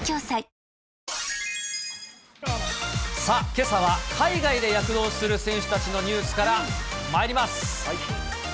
さあ、けさは海外で躍動する選手たちのニュースからまいります。